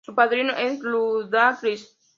Su padrino es Ludacris.